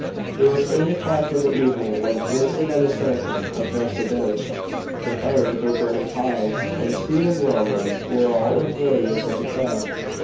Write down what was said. It was eight o'clock in the evening when Pearson and the Seneca approached the village. The fires were burning high, and seated round them were all the warriors of the tribe.